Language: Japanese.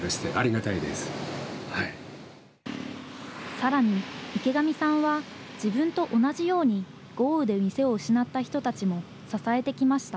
さらに池上さんは、自分と同じように豪雨で店を失った人たちも支えてきました。